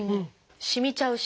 しみちゃうし。